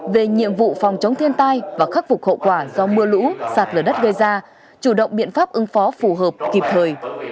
về nhiệm vụ phòng chống thiên tai và khắc phục hậu quả do mưa lũ sạt lở đất gây ra chủ động biện pháp ứng phó phù hợp kịp thời